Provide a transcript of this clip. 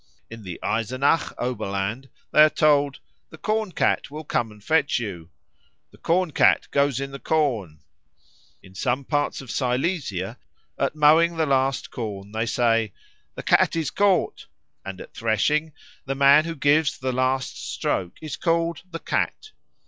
In the Eisenach Oberland they are told "the Corn cat will come and fetch you," "the Corn cat goes in the corn." In some parts of Silesia at mowing the last corn they say, "The Cat is caught"; and at threshing, the man who gives the last stroke is called the Cat.